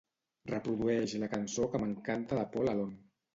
Reprodueix la cançó que m'encanta de Paul Alone.